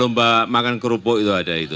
lomba makan kerupuk itu ada itu